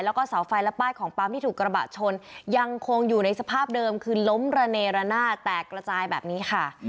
แล้วก็เสาไฟและป้ายของปั๊มที่ถูกกระบะชนยังคงอยู่ในสภาพเดิมคือล้มระเนระนาแตกกระจายแบบนี้ค่ะ